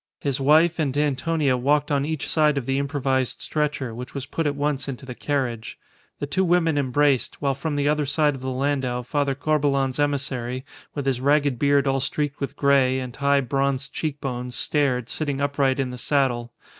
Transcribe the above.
His wife and Antonia walked on each side of the improvised stretcher, which was put at once into the carriage. The two women embraced; while from the other side of the landau Father Corbelan's emissary, with his ragged beard all streaked with grey, and high, bronzed cheek bones, stared, sitting upright in the saddle.